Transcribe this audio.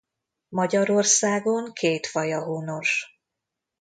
Magyarországon két faja honos.